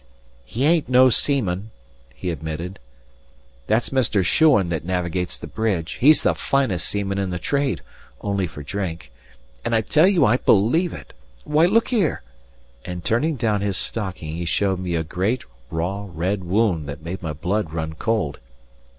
"He ain't no seaman," he admitted. "That's Mr. Shuan that navigates the brig; he's the finest seaman in the trade, only for drink; and I tell you I believe it! Why, look'ere;" and turning down his stocking he showed me a great, raw, red wound that made my blood run cold.